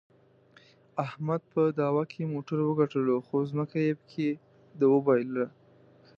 احمد په دعوا کې موټر وګټلو، خو ځمکه یې پکې د وباییلله.